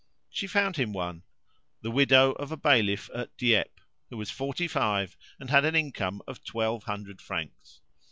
She found him one the widow of a bailiff at Dieppe who was forty five and had an income of twelve hundred francs.